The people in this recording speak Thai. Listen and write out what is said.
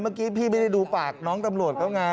เมื่อกี้พี่ไม่ได้ดูปากน้องตำรวจเขาไง